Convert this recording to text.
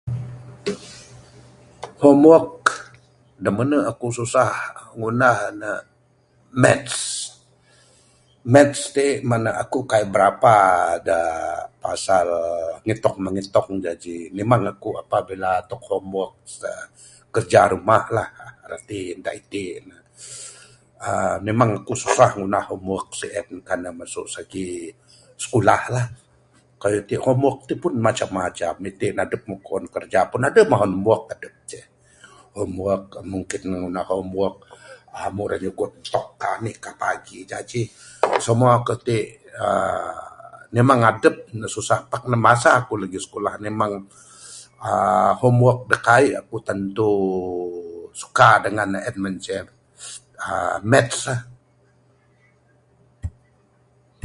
Homework da menu akuk susah ngundah ne, maths. Maths ti menu akuk kai berapa, da pasal ngitong-mengitong. Jaji memang akuk apabila tok homework, aa..kerja rumah lah rati ne da iti ne. Aa..., memang akuk susah ngundah homework sien kan ne masu segi sikulah lah. Kayuh ti homework ti pun macam-macam. Iti ne adup moh kuon kiraja pun aduh mah homework adup ceh. Homework mungkin ne ngundah homework, amu ira nyugon stok kah, anih kah pagi jaji. Semua kayuh ti, aar...memang adup ne susah. Pak masa aku lagi sikulah memang, aaa.., homework da kai aku tentu suka dengan ne en mah ceh, aar... Maths ah.